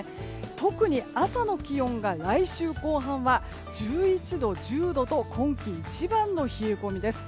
特に朝の気温が来週後半は１１度、１０度と今季一番の冷え込みです。